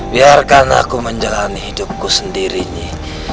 biarkan aku menjalani hidupku sendirinya